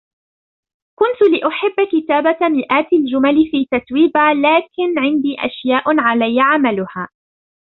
كنتُ لأحب كتابة مئات الجمل في تتويبا ، لكن ، عندي أشياء عليّ عملها.